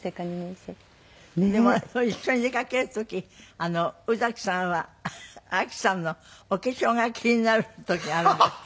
でも一緒に出かける時宇崎さんは阿木さんのお化粧が気になる時があるんですって？